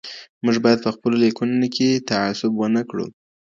موږ باید په خپلو لیکنو کې تعصب ونکړو.